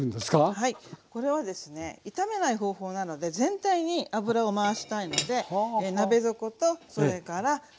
はいこれはですね炒めない方法なので全体に油を回したいので鍋底とそれから後から。